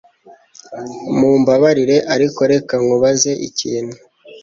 Mumbabarire, ariko reka nkubaze ikintu.